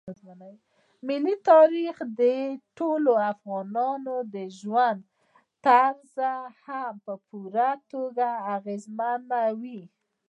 ملي تاریخ د ټولو افغانانو د ژوند طرز هم په پوره توګه اغېزمنوي.